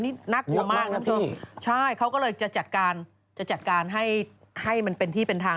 นี่นักกว่ามากนะคุณผู้ชมเขาก็เลยจะจัดการให้มันเป็นที่เป็นทาง